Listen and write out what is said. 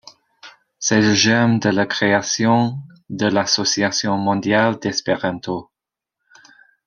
C’est le germe de la création de l’association mondiale d’espéranto.